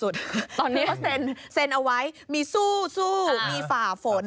ตอนนี้เขาเซ็นเอาไว้มีสู้มีฝ่าฝน